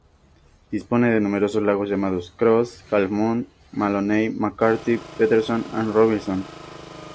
Dispone de numerosos lagos llamados: Cross, Half Moon, Maloney, McCarthy, Peterson y Robinson.